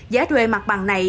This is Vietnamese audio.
giá thuê mặt bằng này